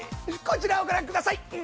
こちらをご覧ください。